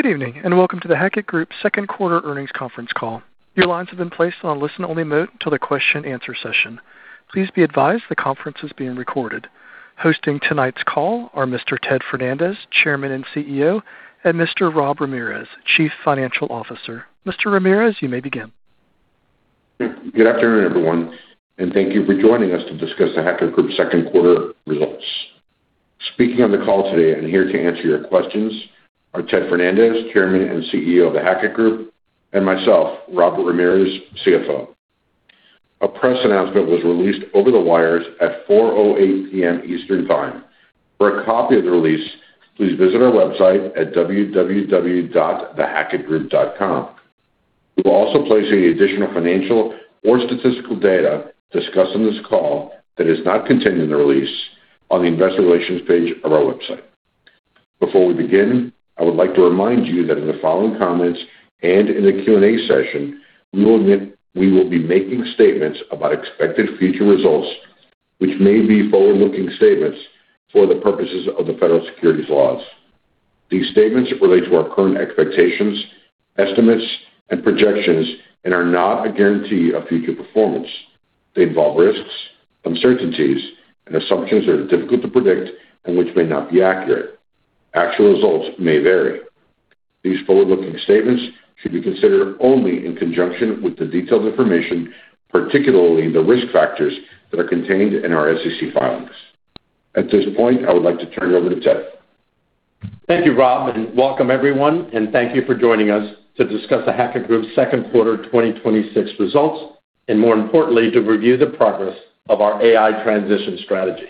Good evening. Welcome to The Hackett Group Q2 earnings conference call. Your lines have been placed on listen-only mode until the question answer session. Please be advised the conference is being recorded. Hosting tonight's call are Mr. Ted Fernandez, Chairman and CEO, and Mr. Rob Ramirez, Chief Financial Officer. Mr. Ramirez, you may begin. Good afternoon, everyone. Thank you for joining us to discuss The Hackett Group Q2 results. Speaking on the call today and here to answer your questions are Ted Fernandez, Chairman and CEO of The Hackett Group, and myself, Robert Ramirez, CFO. A press announcement was released over the wires at 4:08 P.M. Eastern Time. For a copy of the release, please visit our website at www.thehackettgroup.com. We will also place any additional financial or statistical data discussed on this call that is not contained in the release on the investor relations page of our website. Before we begin, I would like to remind you that in the following comments and in the Q&A session, we will be making statements about expected future results, which may be forward-looking statements for the purposes of the Federal Securities laws. These statements relate to our current expectations, estimates, and projections and are not a guarantee of future performance. They involve risks, uncertainties, and assumptions that are difficult to predict and which may not be accurate. Actual results may vary. These forward-looking statements should be considered only in conjunction with the detailed information, particularly the risk factors, that are contained in our SEC filings. At this point, I would like to turn it over to Ted. Thank you, Rob. Welcome everyone, and thank you for joining us to discuss The Hackett Group Q2 2026 results, and more importantly, to review the progress of our AI transition strategy.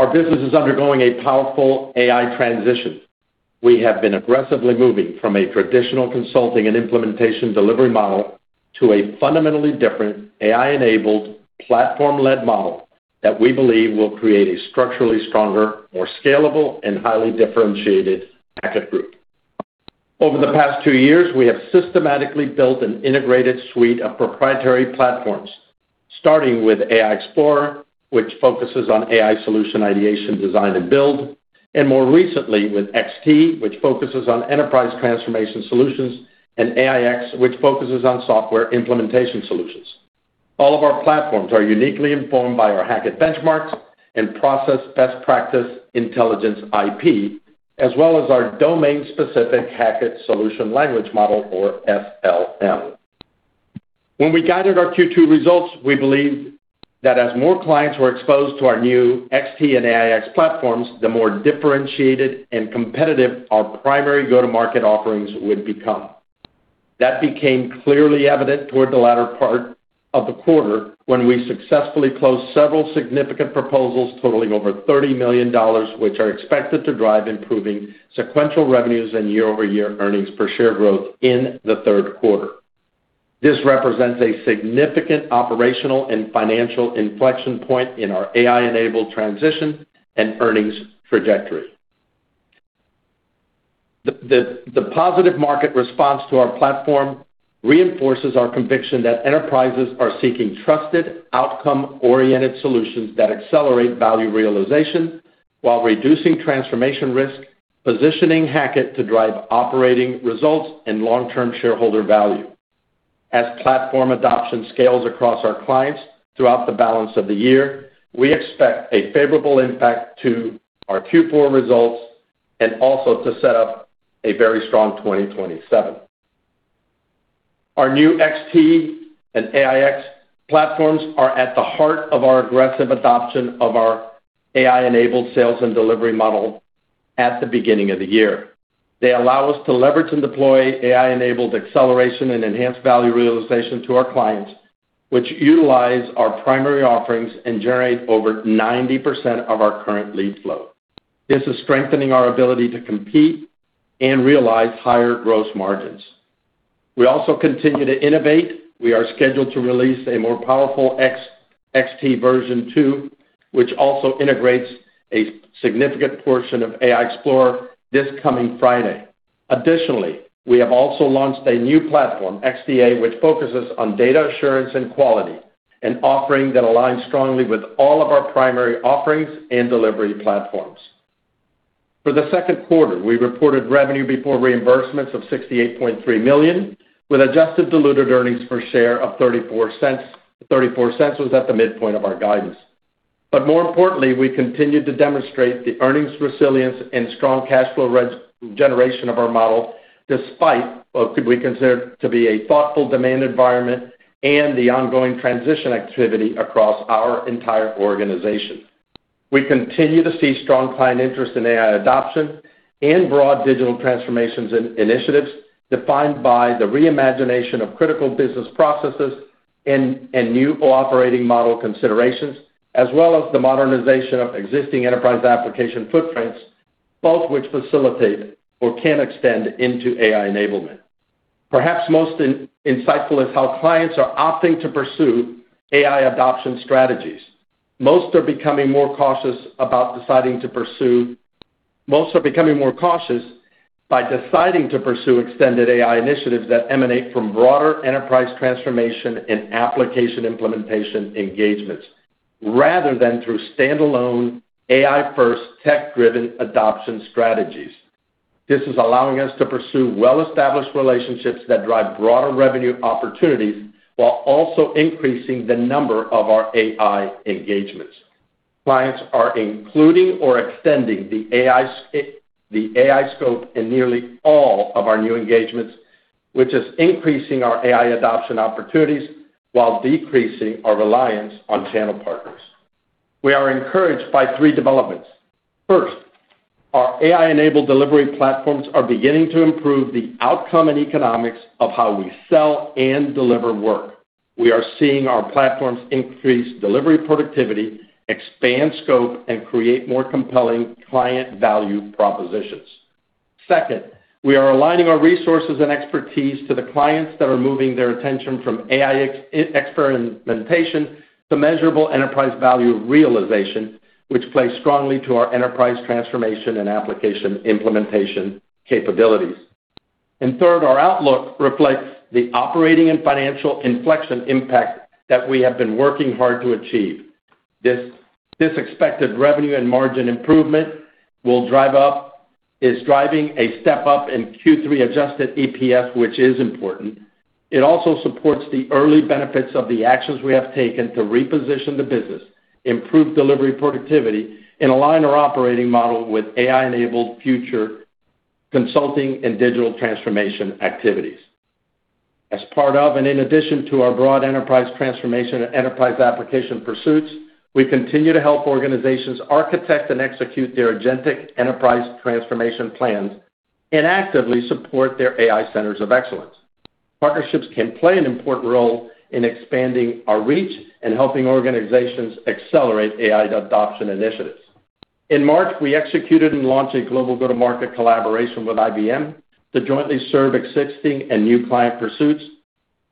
Our business is undergoing a powerful AI transition. We have been aggressively moving from a traditional consulting and implementation delivery model to a fundamentally different AI-enabled, platform-led model that we believe will create a structurally stronger, more scalable, and highly differentiated Hackett Group. Over the past two years, we have systematically built an integrated suite of proprietary platforms, starting with AI XPLR, which focuses on AI solution ideation, design, and build, and more recently with XT, which focuses on enterprise transformation solutions, and AIX, which focuses on software implementation solutions. All of our platforms are uniquely informed by our Hackett Benchmarks and Process Best Practice Intelligence IP, as well as our domain-specific Hackett Solution Language Model or SLM. When we guided our Q2 results, we believed that as more clients were exposed to our new XT and AIX platforms, the more differentiated and competitive our primary go-to-market offerings would become. That became clearly evident toward the latter part of the quarter when we successfully closed several significant proposals totaling over $30 million, which are expected to drive improving sequential revenues and year-over-year earnings per share growth in the third quarter. This represents a significant operational and financial inflection point in our AI-enabled transition and earnings trajectory. The positive market response to our platform reinforces our conviction that enterprises are seeking trusted, outcome-oriented solutions that accelerate value realization while reducing transformation risk, positioning Hackett to drive operating results and long-term shareholder value. As platform adoption scales across our clients throughout the balance of the year, we expect a favorable impact to our Q4 results and also to set up a very strong 2027. Our new XT and AIX platforms are at the heart of our aggressive adoption of our AI-enabled sales and delivery model at the beginning of the year. They allow us to leverage and deploy AI-enabled acceleration and enhanced value realization to our clients, which utilize our primary offerings and generate over 90% of our current lead flow. This is strengthening our ability to compete and realize higher gross margins. We also continue to innovate. We are scheduled to release a more powerful XT version 2, which also integrates a significant portion of AI XPLR this coming Friday. Additionally, we have also launched a new platform, XDA, which focuses on data assurance and quality, an offering that aligns strongly with all of our primary offerings and delivery platforms. For the Q2, we reported revenue before reimbursements of $68.3 million, with adjusted diluted earnings per share of $0.34. $0.34 was at the midpoint of our guidance. More importantly, we continued to demonstrate the earnings resilience and strong cash flow generation of our model, despite what could be considered to be a thoughtful demand environment and the ongoing transition activity across our entire organization. We continue to see strong client interest in AI adoption and broad digital transformations initiatives defined by the reimagination of critical business processes and new operating model considerations, as well as the modernization of existing enterprise application footprints, both which facilitate or can extend into AI enablement. Perhaps most insightful is how clients are opting to pursue AI adoption strategies. Most are becoming more cautious by deciding to pursue extended AI initiatives that emanate from broader enterprise transformation and application implementation engagements. Rather than through standalone AI-first tech-driven adoption strategies. This is allowing us to pursue well-established relationships that drive broader revenue opportunities while also increasing the number of our AI engagements. Clients are including or extending the AI scope in nearly all of our new engagements, which is increasing our AI adoption opportunities while decreasing our reliance on channel partners. We are encouraged by three developments. First, our AI-enabled delivery platforms are beginning to improve the outcome and economics of how we sell and deliver work. We are seeing our platforms increase delivery productivity, expand scope, and create more compelling client value propositions. Second, we are aligning our resources and expertise to the clients that are moving their attention from AI experimentation to measurable enterprise value realization, which plays strongly to our enterprise transformation and application implementation capabilities. Third, our outlook reflects the operating and financial inflection impact that we have been working hard to achieve. This expected revenue and margin improvement is driving a step up in Q3 adjusted EPS, which is important. It also supports the early benefits of the actions we have taken to reposition the business, improve delivery productivity, and align our operating model with AI-enabled future consulting and digital transformation activities. As part of and in addition to our broad enterprise transformation and enterprise application pursuits, we continue to help organizations architect and execute their agentic enterprise transformation plans and actively support their AI centers of excellence. Partnerships can play an important role in expanding our reach and helping organizations accelerate AI adoption initiatives. In March, we executed and launched a global go-to-market collaboration with IBM to jointly serve existing and new client pursuits.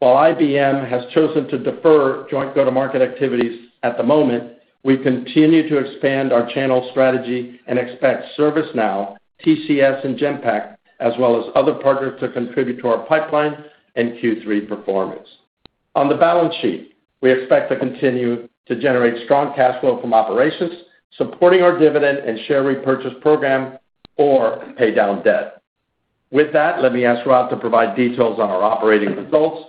While IBM has chosen to defer joint go-to-market activities at the moment, we continue to expand our channel strategy and expect ServiceNow, TCS, and Genpact, as well as other partners, to contribute to our pipeline and Q3 performance. On the balance sheet, we expect to continue to generate strong cash flow from operations, supporting our dividend and share repurchase program or pay down debt. With that, let me ask Rob to provide details on our operating results,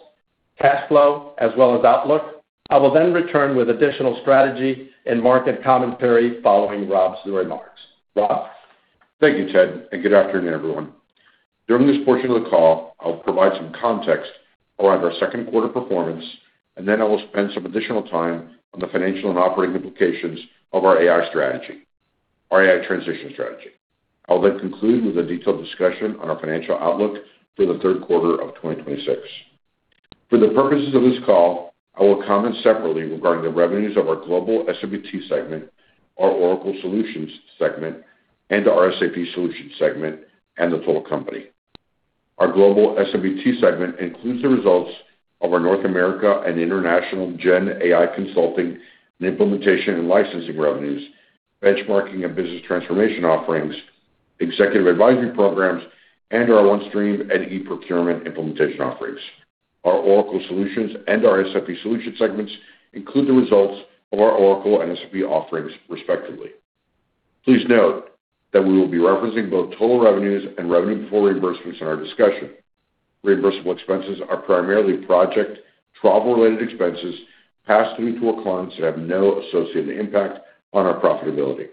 cash flow, as well as outlook. I will then return with additional strategy and market commentary following Rob's remarks. Rob? Thank you, Ted, and good afternoon, everyone. During this portion of the call, I will provide some context around our Q2 performance, and then I will spend some additional time on the financial and operating implications of our AI transition strategy. I will conclude with a detailed discussion on our financial outlook for the third quarter of 2026. For the purposes of this call, I will comment separately regarding the revenues of our Global S&BT segment, our Oracle Solutions segment, and our SAP Solutions segment, and the total company. Our Global S&BT segment includes the results of our North America and International Gen AI consulting and implementation and licensing revenues, benchmarking and business transformation offerings, executive advisory programs, and our OneStream and eProcurement implementation offerings. Our Oracle Solutions and our SAP Solutions segments include the results of our Oracle and SAP offerings, respectively. Please note that we will be referencing both total revenues and revenue before reimbursements in our discussion. Reimbursable expenses are primarily project travel-related expenses passed through to our clients that have no associated impact on our profitability.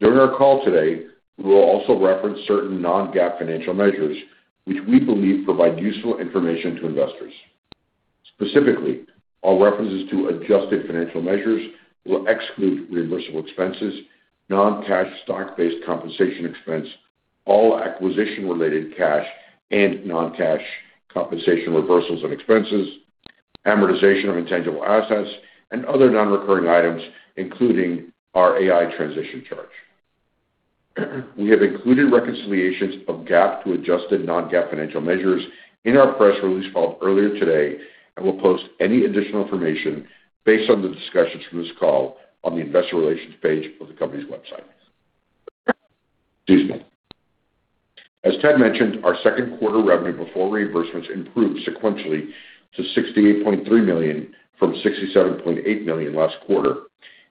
During our call today, we will also reference certain non-GAAP financial measures which we believe provide useful information to investors. Specifically, our references to adjusted financial measures will exclude reimbursable expenses, non-cash stock-based compensation expense, all acquisition-related cash and non-cash compensation reversals and expenses, amortization of intangible assets, and other non-recurring items, including our AI transition charge. We have included reconciliations of GAAP to adjusted non-GAAP financial measures in our press release filed earlier today, and we will post any additional information based on the discussions from this call on the investor relations page of the company's website. Excuse me. As Ted mentioned, our Q2 revenue before reimbursements improved sequentially to $68.3 million from $67.8 million last quarter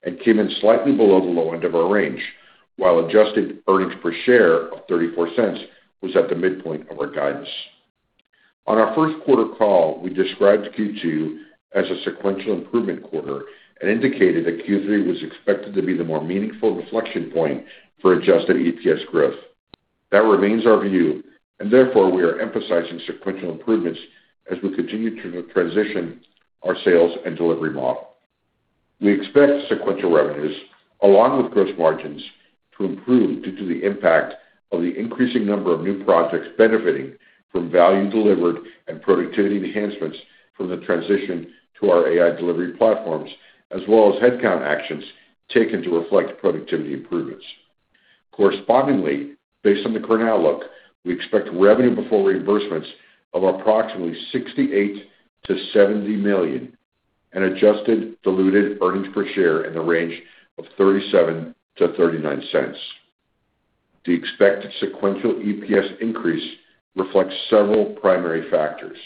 and came in slightly below the low end of our range, while adjusted earnings per share of $0.34 was at the midpoint of our guidance. On our Q1 call, we described Q2 as a sequential improvement quarter and indicated that Q3 was expected to be the more meaningful inflection point for adjusted EPS growth. That remains our view. Therefore, we are emphasizing sequential improvements as we continue to transition our sales and delivery model. We expect sequential revenues, along with gross margins, to improve due to the impact of the increasing number of new projects benefiting from value delivered and productivity enhancements from the transition to our AI delivery platforms, as well as headcount actions taken to reflect productivity improvements. Correspondingly, based on the current outlook, we expect revenue before reimbursements of approximately $68 million-$70 million and adjusted diluted earnings per share in the range of $0.37-$0.39. The expected sequential EPS increase reflects several primary factors.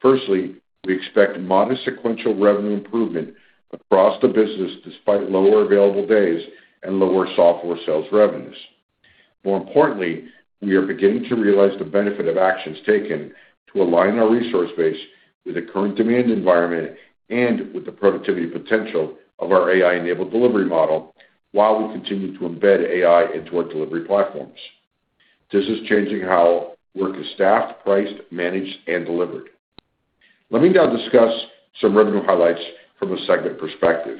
Firstly, we expect modest sequential revenue improvement across the business, despite lower available days and lower software sales revenues. More importantly, however, we are beginning to realize the benefit of actions taken to align our resource base with the current demand environment and with the productivity potential of our AI-enabled delivery model, while we continue to embed AI into our delivery platforms. This is changing how work is staffed, priced, managed, and delivered. Let me now discuss some revenue highlights from a segment perspective.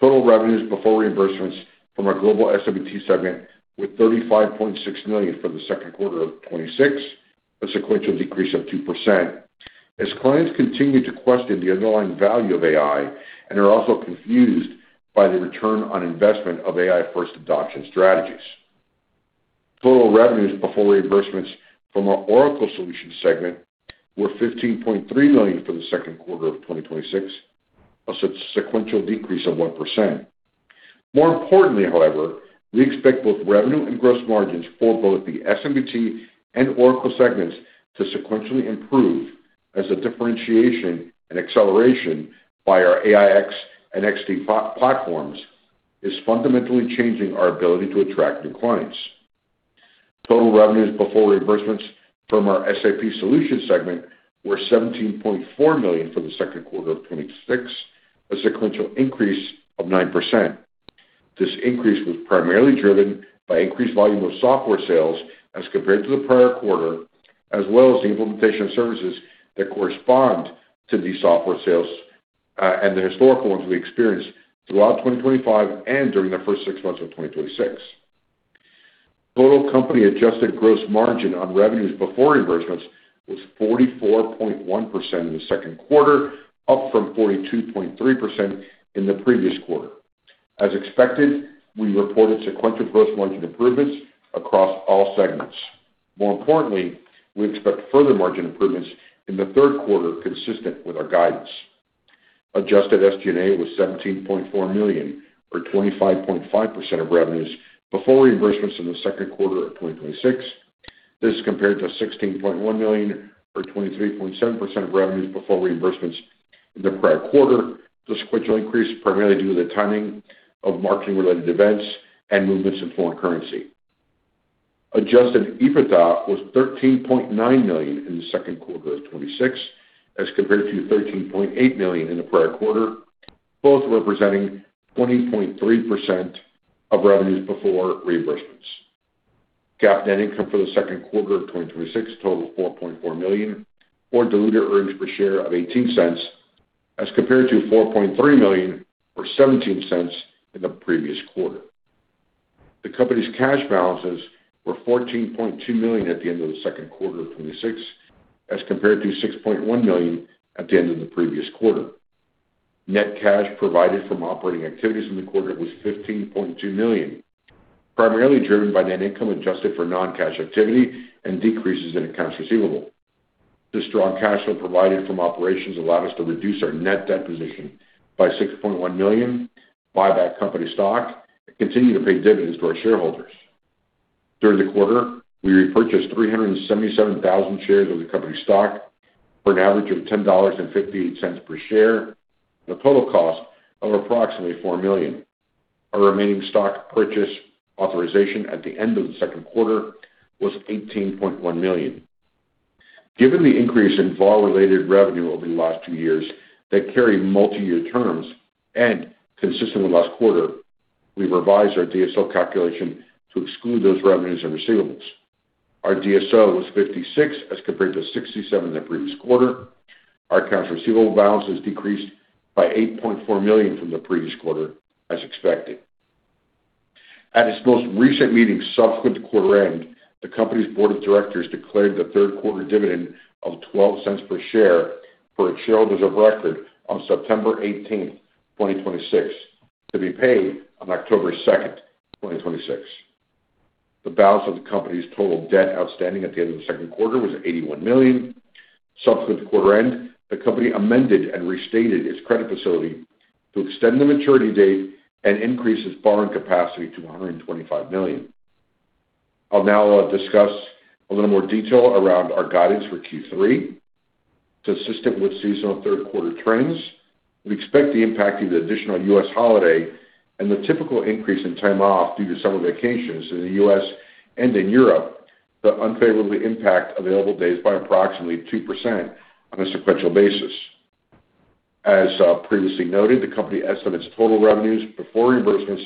Total revenues before reimbursements from our global S&BT segment were $35.6 million for the Q2 of 2026, a sequential decrease of 2%, as clients continue to question the underlying value of AI and are also confused by the return on investment of AI first adoption strategies. Total revenues before reimbursements from our Oracle Solutions segment were $15.3 million for the Q2 of 2026, a sequential decrease of 1%. More importantly, however, we expect both revenue and gross margins for both the S&BT and Oracle segments to sequentially improve as the differentiation and acceleration by our AIX and XDA platforms is fundamentally changing our ability to attract new clients. Total revenues before reimbursements from our SAP Solutions segment were $17.4 million for the Q2 of 2026, a sequential increase of 9%. This increase was primarily driven by increased volume of software sales as compared to the prior quarter, as well as the implementation of services that correspond to these software sales, and the historical ones we experienced throughout 2025 and during the first six months of 2026. Total company adjusted gross margin on revenues before reimbursements was 44.1% in the Q2, up from 42.3% in the previous quarter. As expected, we reported sequential gross margin improvements across all segments. More importantly, we expect further margin improvements in the third quarter consistent with our guidance. Adjusted SG&A was $17.4 million, or 25.5% of revenues before reimbursements in the Q2 of 2026. This compared to $16.1 million or 23.7% of revenues before reimbursements in the prior quarter. The sequential increase primarily due to the timing of marketing related events and movements in foreign currency. Adjusted EBITDA was $13.9 million in the Q2 of 2026, as compared to $13.8 million in the prior quarter, both representing 20.3% of revenues before reimbursements. GAAP net income for the Q2 of 2026 totaled $4.4 million or diluted earnings per share of $0.18 as compared to $4.3 million or $0.17 in the previous quarter. The company's cash balances were $14.2 million at the end of the Q2 of 2026, as compared to $6.1 million at the end of the previous quarter. Net cash provided from operating activities in the quarter was $15.2 million, primarily driven by net income adjusted for non-cash activity and decreases in accounts receivable. This strong cash flow provided from operations allowed us to reduce our net debt position by $6.1 million, buy back company stock, and continue to pay dividends to our shareholders. During the quarter, we repurchased 377,000 shares of the company stock for an average of $10.58 per share at a total cost of approximately $4 million. Our remaining stock purchase authorization at the end of the Q2 was $18.1 million. Given the increase in VAR-related revenue over the last two years that carry multi-year terms and consistent with last quarter, we revised our DSO calculation to exclude those revenues and receivables. Our DSO was 56 as compared to 67 the previous quarter. Our accounts receivable balances decreased by $8.4 million from the previous quarter as expected. At its most recent meeting subsequent to quarter end, the company's board of directors declared the third quarter dividend of $0.12 per share for its shareholders of record on September 18th, 2026, to be paid on October 2nd, 2026. The balance of the company's total debt outstanding at the end of the Q2 was $81 million. Subsequent to quarter end, the company amended and restated its credit facility to extend the maturity date and increase its borrowing capacity to $125 million. I'll now discuss a little more detail around our guidance for Q3. Consistent with seasonal third quarter trends, we expect the impact of the additional U.S. holiday and the typical increase in time off due to summer vacations in the U.S. and in Europe to unfavorably impact available days by approximately 2% on a sequential basis. As previously noted, the company estimates total revenues before reimbursements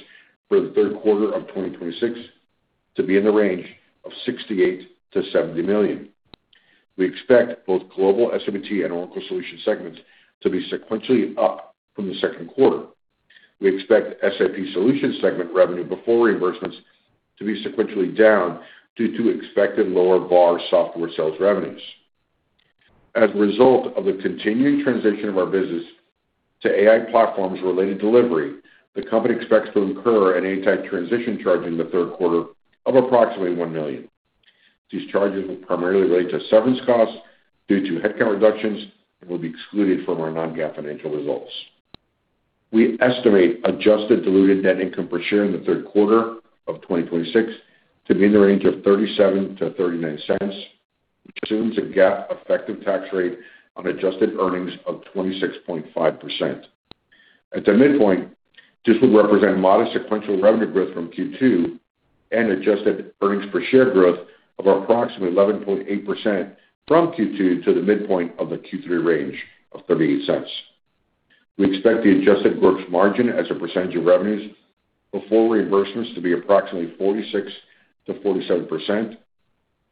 for the third quarter of 2026 to be in the range of $68 million-$70 million. We expect both global S&BT and Oracle Solutions segments to be sequentially up from the Q2. We expect SAP Solutions segment revenue before reimbursements to be sequentially down due to expected lower VAR software sales revenues. As a result of the continuing transition of our business to AI platforms-related delivery, the company expects to incur an AI-type transition charge in the third quarter of approximately $1 million. These charges will primarily relate to severance costs due to headcount reductions and will be excluded from our non-GAAP financial results. We estimate adjusted diluted net income per share in the third quarter of 2026 to be in the range of $0.37-$0.39, which assumes a GAAP effective tax rate on adjusted earnings of 26.5%. At the midpoint, this would represent modest sequential revenue growth from Q2 and adjusted earnings per share growth of approximately 11.8% from Q2 to the midpoint of the Q3 range of $0.38. We expect the adjusted gross margin as a percentage of revenues before reimbursements to be approximately 46%-47%.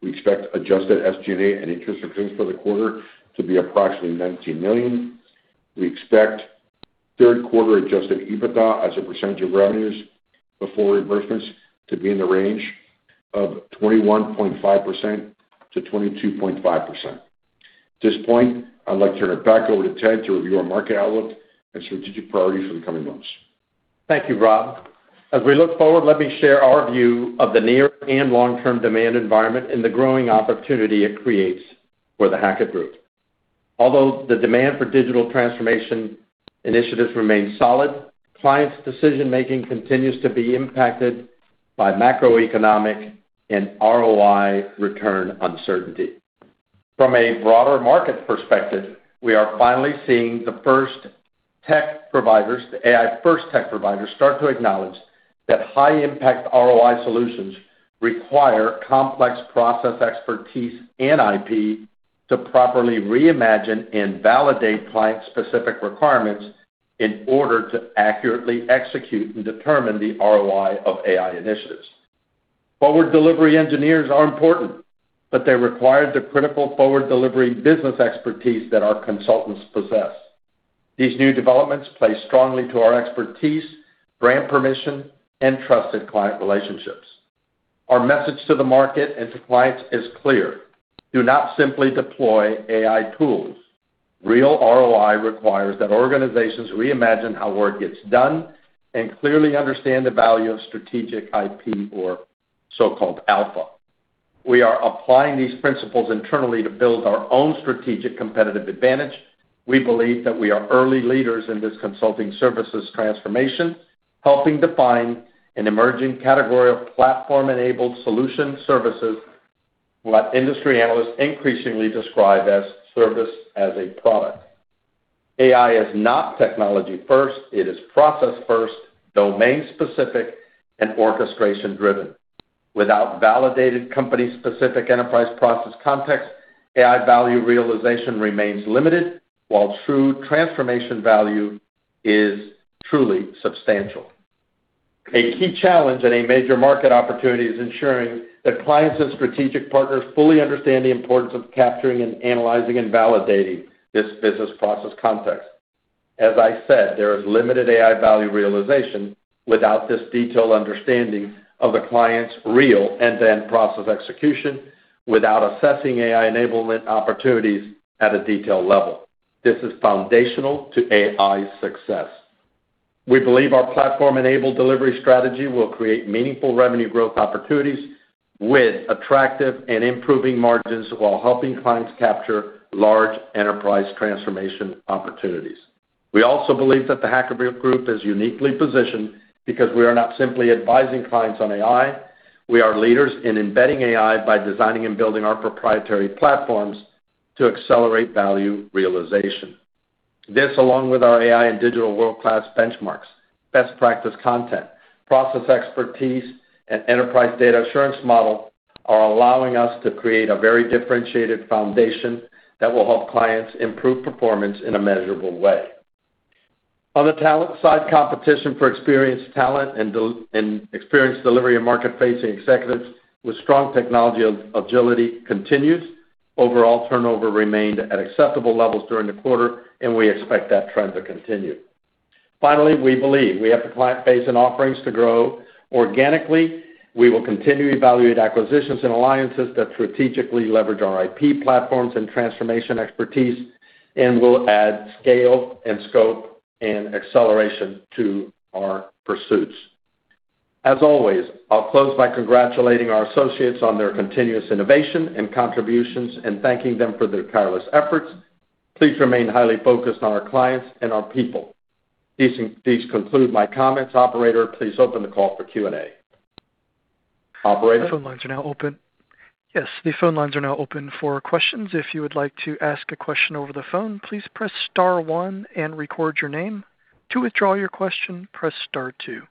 We expect adjusted SG&A and interest expense for the quarter to be approximately $19 million. We expect third quarter adjusted EBITDA as a percentage of revenues before reimbursements to be in the range of 21.5%-22.5%. At this point, I'd like to turn it back over to Ted to review our market outlook and strategic priorities for the coming months. Thank you, Rob. As we look forward, let me share our view of the near and long-term demand environment and the growing opportunity it creates for The Hackett Group. Although the demand for digital transformation initiatives remains solid, clients' decision-making continues to be impacted by macroeconomic and ROI return uncertainty. From a broader market perspective, we are finally seeing the first tech providers, the AI-first tech providers, start to acknowledge that high-impact ROI solutions require complex process expertise and IP to properly reimagine and validate client-specific requirements in order to accurately execute and determine the ROI of AI initiatives. Forward delivery engineers are important, but they require the critical forward delivery business expertise that our consultants possess. These new developments play strongly to our expertise, brand permission, and trusted client relationships. Our message to the market and to clients is clear: Do not simply deploy AI tools. Real ROI requires that organizations reimagine how work gets done and clearly understand the value of strategic IP or so-called alpha. We are applying these principles internally to build our own strategic competitive advantage. We believe that we are early leaders in this consulting services transformation, helping define an emerging category of platform-enabled solution services what industry analysts increasingly describe as service as a product. AI is not technology first. It is process-first, domain-specific, and orchestration-driven. Without validated company-specific enterprise process context, AI value realization remains limited, while true transformation value is truly substantial. A key challenge and a major market opportunity is ensuring that clients and strategic partners fully understand the importance of capturing and analyzing and validating this business process context. As I said, there is limited AI value realization without this detailed understanding of the client's real end-to-end process execution, without assessing AI enablement opportunities at a detailed level. This is foundational to AI success. We believe our platform-enabled delivery strategy will create meaningful revenue growth opportunities with attractive and improving margins while helping clients capture large enterprise transformation opportunities. We also believe that The Hackett Group is uniquely positioned because we are not simply advising clients on AI. We are leaders in embedding AI by designing and building our proprietary platforms to accelerate value realization. This, along with our AI and digital world-class benchmarks, best practice content, process expertise, and enterprise data assurance model, are allowing us to create a very differentiated foundation that will help clients improve performance in a measurable way. On the talent side, competition for experienced talent and experienced delivery and market-facing executives with strong technology agility continues. Overall turnover remained at acceptable levels during the quarter. We expect that trend to continue. Finally, we believe we have the client base and offerings to grow organically. We will continue to evaluate acquisitions and alliances that strategically leverage our IP platforms and transformation expertise. Will add scale and scope and acceleration to our pursuits. As always, I'll close by congratulating our associates on their continuous innovation and contributions and thanking them for their tireless efforts. Please remain highly focused on our clients and our people. These conclude my comments. Operator, please open the call for Q&A. Operator? The phone lines are now open. Yes, the phone lines are now open for questions. If you would like to ask a question over the phone, please press star one and record your name. To withdraw your question, press star two.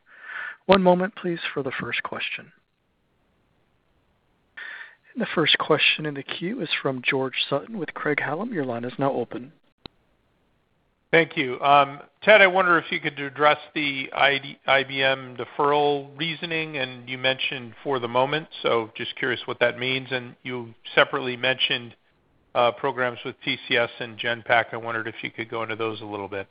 One moment, please, for the first question. The first question in the queue is from George Sutton with Craig-Hallum. Your line is now open. Thank you. Ted, I wonder if you could address the IBM deferral reasoning. You mentioned for the moment, so just curious what that means. You separately mentioned programs with TCS and Genpact. I wondered if you could go into those a little bit.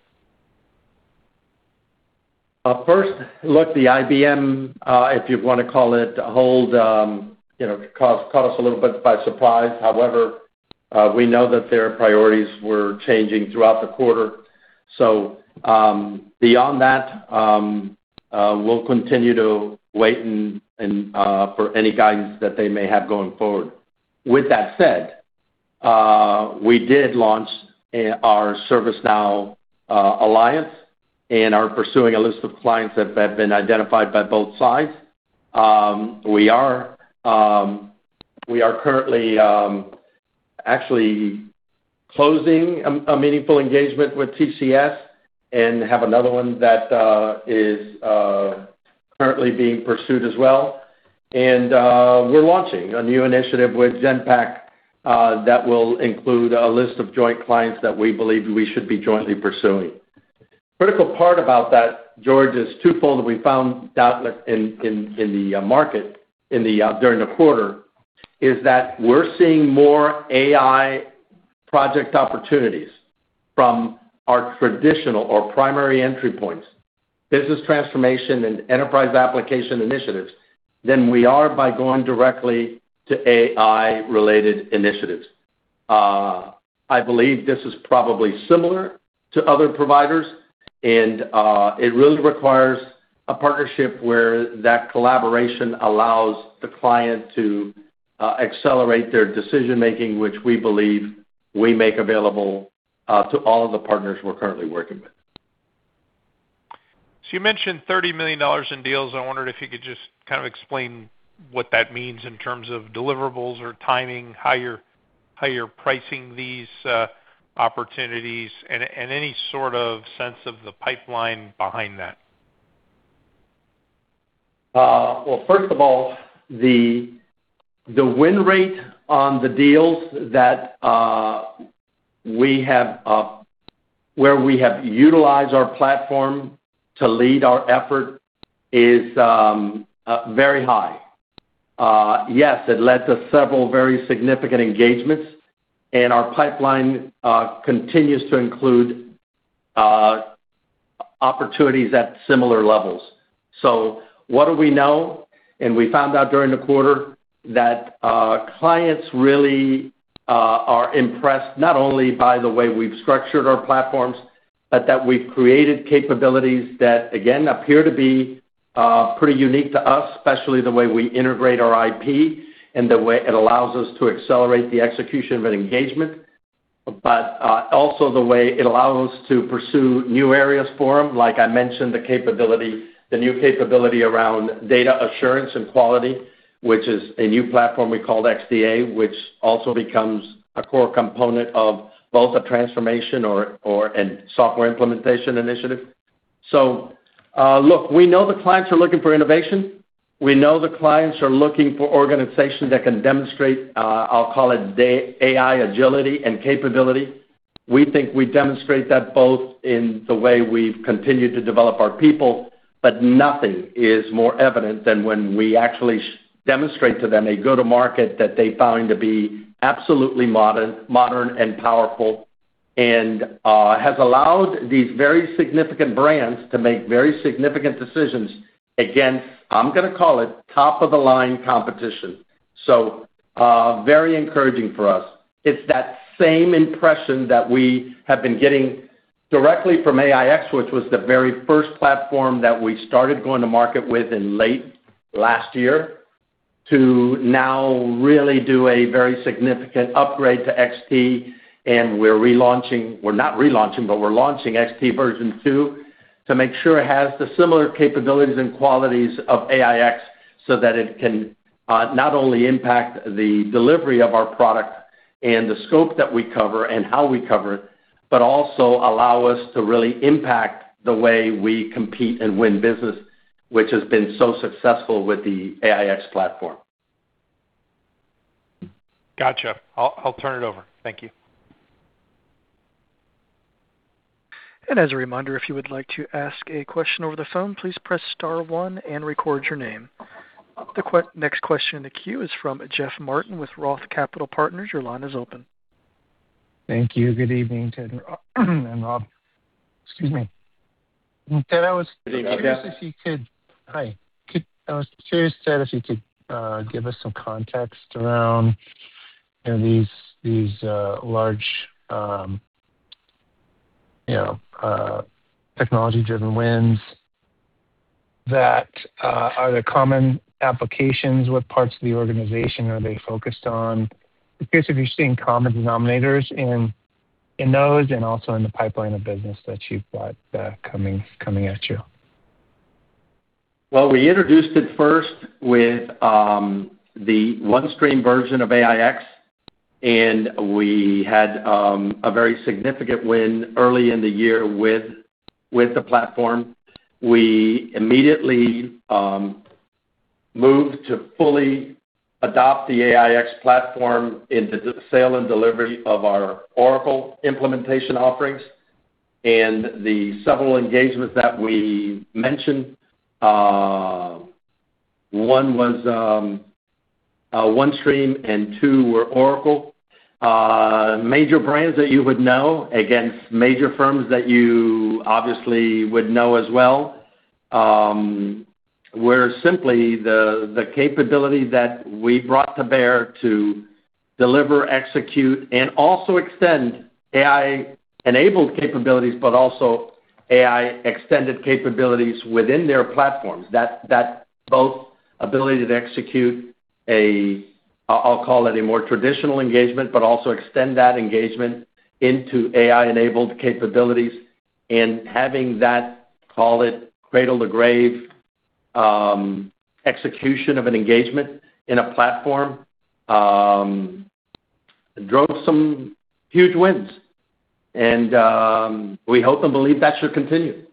Look, the IBM, if you want to call it, hold, caught us a little bit by surprise. However, we know that their priorities were changing throughout the quarter. Beyond that, we'll continue to wait for any guidance that they may have going forward. With that said. We did launch our ServiceNow alliance and are pursuing a list of clients that have been identified by both sides. We are currently actually closing a meaningful engagement with TCS and have another one that is currently being pursued as well. We're launching a new initiative with Genpact that will include a list of joint clients that we believe we should be jointly pursuing. Critical part about that, George, is twofold that we found out in the market during the quarter, is that we're seeing more AI project opportunities from our traditional or primary entry points, business transformation, and enterprise application initiatives than we are by going directly to AI-related initiatives. I believe this is probably similar to other providers, and it really requires a partnership where that collaboration allows the client to accelerate their decision-making, which we believe we make available to all of the partners we're currently working with. You mentioned $30 million in deals. I wondered if you could just explain what that means in terms of deliverables or timing, how you're pricing these opportunities, and any sort of sense of the pipeline behind that. Well, first of all, the win rate on the deals where we have utilized our platform to lead our effort is very high. Yes, it led to several very significant engagements, and our pipeline continues to include opportunities at similar levels. What do we know? We found out during the quarter that clients really are impressed not only by the way we've structured our platforms, but that we've created capabilities that, again, appear to be pretty unique to us, especially the way we integrate our IP and the way it allows us to accelerate the execution of an engagement. Also the way it allows us to pursue new areas for them. Like I mentioned, the new capability around data assurance and quality, which is a new platform we call XDA, which also becomes a core component of both a transformation or a software implementation initiative. Look, we know the clients are looking for innovation. We know the clients are looking for organizations that can demonstrate, I'll call it, AI agility and capability. We think we demonstrate that both in the way we've continued to develop our people, but nothing is more evident than when we actually demonstrate to them a go-to-market that they find to be absolutely modern and powerful, and has allowed these very significant brands to make very significant decisions against, I'm going to call it, top-of-the-line competition. Very encouraging for us. It's that same impression that we have been getting directly from AIX, which was the very first platform that we started going to market with in late last year, to now really do a very significant upgrade to XT. We're not relaunching, but we're launching XT version 2 to make sure it has the similar capabilities and qualities of AIX, that it can not only impact the delivery of our product and the scope that we cover and how we cover it, but also allow us to really impact the way we compete and win business, which has been so successful with the AIX platform. Got you. I'll turn it over. Thank you. As a reminder, if you would like to ask a question over the phone, please press star one and record your name. The next question in the queue is from Jeff Martin with Roth Capital Partners. Your line is open. Thank you. Good evening, Ted and Rob. Excuse me. Ted, Good evening, Jeff. I was curious, Ted, if you could give us some context around these large technology-driven wins that are the common applications. What parts of the organization are they focused on? I'm curious if you're seeing common denominators in those and also in the pipeline of business that you've got coming at you. Well, we introduced it first with the OneStream version of AIX, we had a very significant win early in the year with the platform. We immediately moved to fully adopt the AIX platform into the sale and delivery of our Oracle implementation offerings. The several engagements that we mentioned, one was OneStream, and two were Oracle. Major brands that you would know against major firms that you obviously would know as well. Where simply the capability that we brought to bear to deliver, execute, and also extend AI-enabled capabilities, AI extended capabilities within their platforms. That both ability to execute a, I'll call it a more traditional engagement, but also extend that engagement into AI-enabled capabilities, and having that, call it cradle-to-grave, execution of an engagement in a platform, drove some huge wins. We hope and believe that should continue.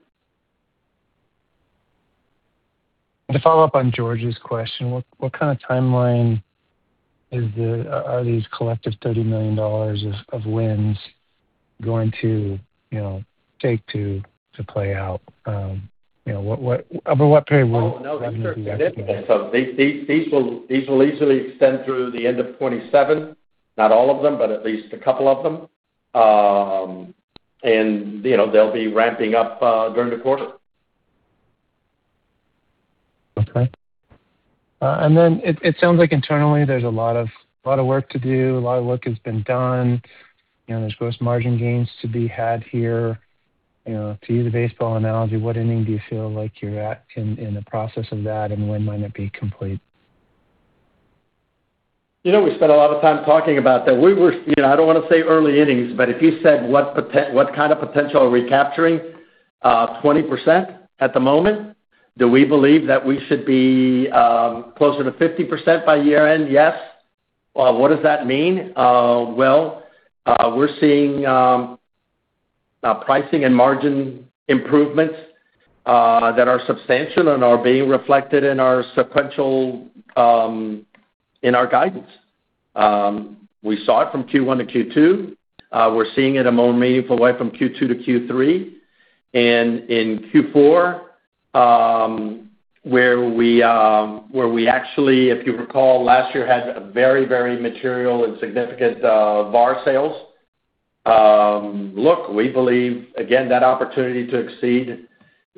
To follow up on George's question, what kind of timeline are these collective $30 million of wins going to take to play out? Over what period? Oh, no. These are significant. These will easily extend through the end of 2027. Not all of them, but at least a couple of them. They'll be ramping up during the quarter. Okay. It sounds like internally there's a lot of work to do. A lot of work has been done. There's gross margin gains to be had here. To use a baseball analogy, what inning do you feel like you're at in the process of that, and when might it be complete? We spent a lot of time talking about that. We were, I don't want to say early innings, but if you said what kind of potential are we capturing? 20% at the moment. Do we believe that we should be closer to 50% by year-end? Yes. What does that mean? Well, we're seeing pricing and margin improvements that are substantial and are being reflected in our sequential, in our guidance. We saw it from Q1 to Q2. We're seeing it a meaningful way from Q2 to Q3. In Q4, where we actually, if you recall, last year had very, very material and significant VAR sales. Look, we believe, again, that opportunity to exceed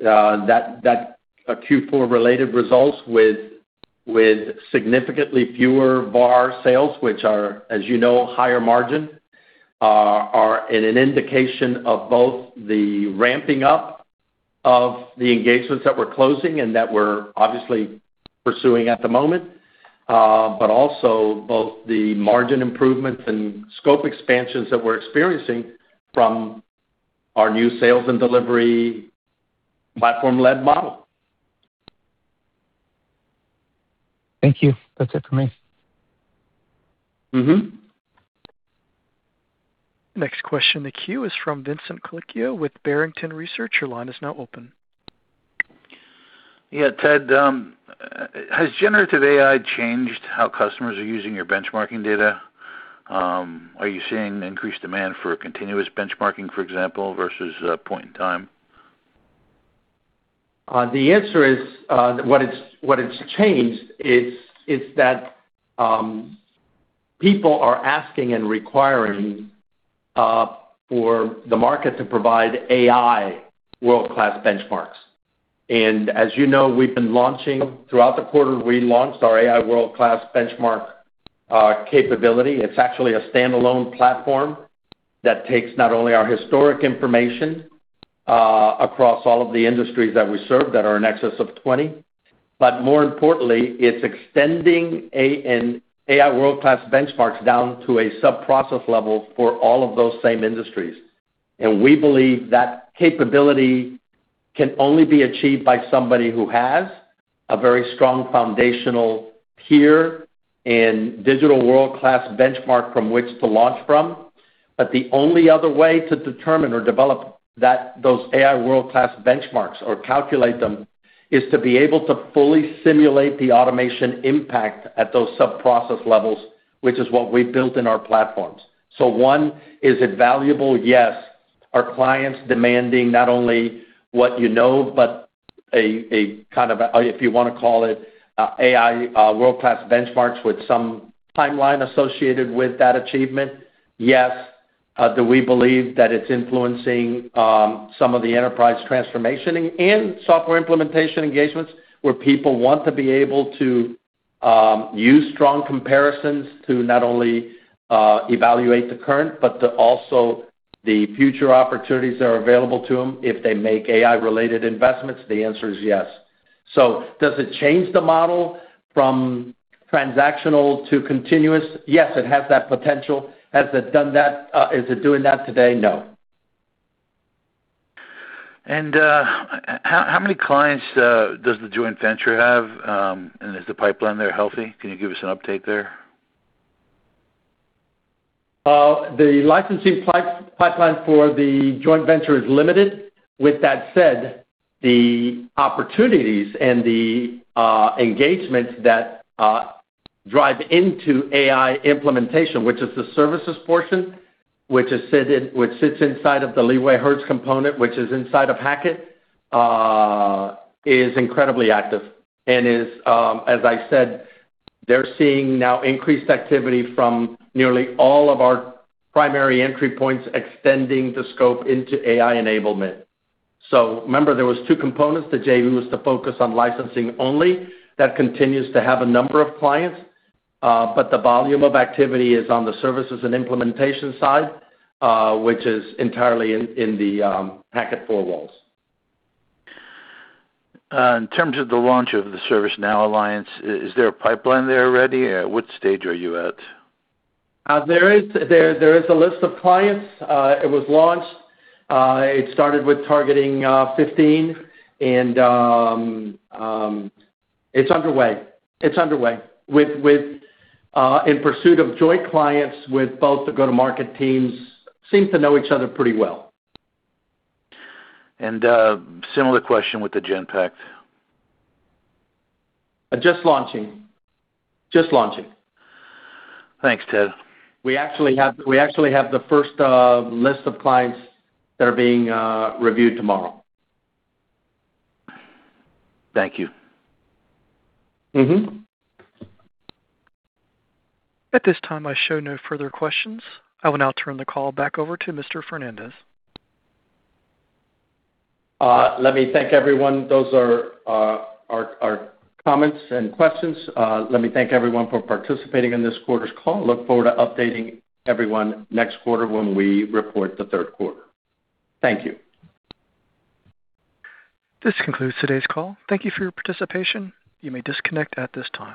that Q4-related results with significantly fewer VAR sales, which are, as you know, higher margin, are an indication of both the ramping up of the engagements that we're closing and that we're obviously pursuing at the moment, but also both the margin improvements and scope expansions that we're experiencing from our new sales and delivery platform-led model. Thank you. That's it for me. Next question in the queue is from Vincent Colicchio with Barrington Research. Your line is now open. Yeah, Ted, has Generative AI changed how customers are using your benchmarking data? Are you seeing increased demand for continuous benchmarking, for example, versus point in time? The answer is, what it's changed is that people are asking and requiring for the market to provide AI world-class benchmarks. As you know, we've been launching, throughout the quarter, we launched our AI world-class benchmark capability. It's actually a standalone platform that takes not only our historic information across all of the industries that we serve that are in excess of 20, but more importantly, it's extending AI world-class benchmarks down to a sub-process level for all of those same industries. We believe that capability can only be achieved by somebody who has a very strong foundational peer and digital world-class benchmark from which to launch from. The only other way to determine or develop those AI world-class benchmarks or calculate them is to be able to fully simulate the automation impact at those sub-process levels, which is what we've built in our platforms. One, is it valuable? Yes. Are clients demanding not only what you know, but a kind of, if you want to call it, AI world-class benchmarks with some timeline associated with that achievement? Yes. Do we believe that it's influencing some of the enterprise transformation and software implementation engagements where people want to be able to use strong comparisons to not only evaluate the current, but also the future opportunities that are available to them if they make AI-related investments? The answer is yes. Does it change the model from transactional to continuous? Yes, it has that potential. Has it done that? Is it doing that today? No. How many clients does the joint venture have? Is the pipeline there healthy? Can you give us an update there? The licensing pipeline for the joint venture is limited. With that said, the opportunities and the engagements that drive into AI implementation, which is the services portion, which sits inside of the LeewayHertz component, which is inside of Hackett, is incredibly active and is, as I said, they're seeing now increased activity from nearly all of our primary entry points extending the scope into AI enablement. Remember, there was two components. The JV was to focus on licensing only. That continues to have a number of clients. The volume of activity is on the services and implementation side, which is entirely in the Hackett four walls. In terms of the launch of the ServiceNow Alliance, is there a pipeline there already? At what stage are you at? There is a list of clients. It was launched. It started with targeting 15. It's underway. In pursuit of joint clients with both the go-to-market teams seem to know each other pretty well. Similar question with the Genpact. Just launching. Thanks, Ted. We actually have the first list of clients that are being reviewed tomorrow. Thank you. At this time, I show no further questions. I will now turn the call back over to Mr. Fernandez. Let me thank everyone. Those are our comments and questions. Let me thank everyone for participating in this quarter's call. Look forward to updating everyone next quarter when we report the third quarter. Thank you. This concludes today's call. Thank you for your participation. You may disconnect at this time.